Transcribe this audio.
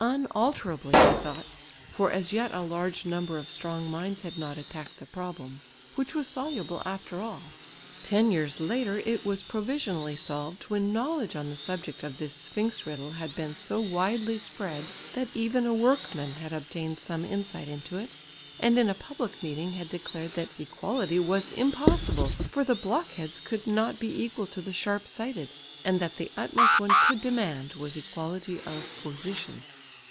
"Unalterably," he thought, for as yet a large number of strong minds had not attacked the problem, which was soluble after all. Ten years later it was provisionally solved, when knowledge on the subject of this sphinx riddle had been so widely spread that even a workman had obtained some insight into it, and in a public meeting had declared that equality was impossible, for the block heads could not be equal to the sharp sighted, and that the utmost one could demand was equality of position.